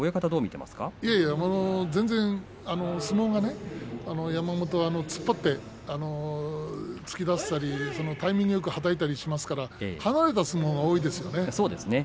いや、全然相撲では一山本は突っ張って突き出したりタイミングよくはたいたりしますから離れた相撲が多いですよね。